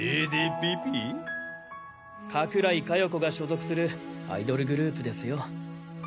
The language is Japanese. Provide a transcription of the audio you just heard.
加倉井加代子が所属するアイドルグループですよ。